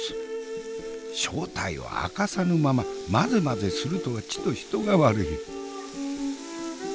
正体を明かさぬまま混ぜ混ぜするとはちと人が悪い。